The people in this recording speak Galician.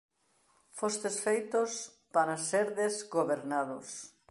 Fostes feitos para serdes gobernados.